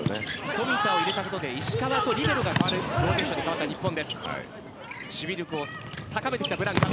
富田を入れたことで石川と、リベロのフォーメーションが変わった日本。